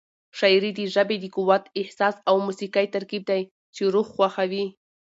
شاعري د ژبې د قوت، احساس او موسيقۍ ترکیب دی چې روح خوښوي.